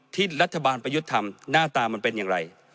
ที่รัฐบาลประยุทธ์ทำหน้าตามันเป็นอย่างไร